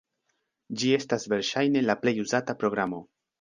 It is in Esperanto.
Ĝi estas verŝajne la plej uzata programo.